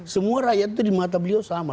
semua rakyat itu di mata beliau sama